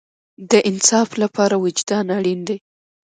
د انصاف لپاره وجدان اړین دی